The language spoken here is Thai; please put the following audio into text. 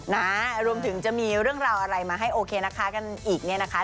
นะรวมถึงจะมีเรื่องราวอะไรมาให้โอเคนะคะกันอีกเนี่ยนะคะ